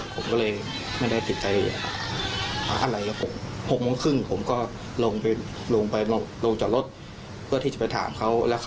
ผมก็เลยไม่ได้ติดใจอะไรกับผม๖โมงครึ่งผมก็ลงไปลงไปลงจากรถเพื่อที่จะไปถามเขา